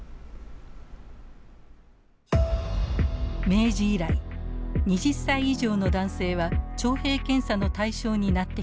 明治以来２０歳以上の男性は徴兵検査の対象になってきました。